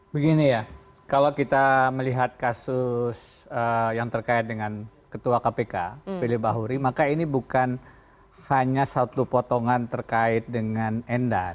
begini ya kalau kita melihat kasus yang terkait dengan ketua kpk fili bahuri maka ini bukan hanya satu potongan terkait dengan endar